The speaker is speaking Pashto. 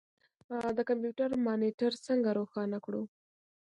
د کمپیوټر مانیټر څنګه روښانه کړو.